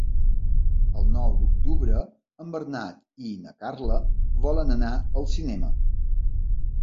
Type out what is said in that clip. El nou d'octubre en Bernat i na Carla volen anar al cinema.